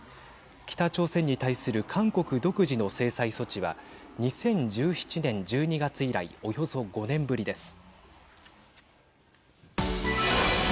北朝鮮に対する韓国独自の制裁措置は２０１７年１２月以来およそ５年ぶりです。